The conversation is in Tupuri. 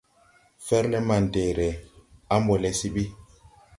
Fɛrle mandɛɛrɛ, a mbɔ le se ɓi.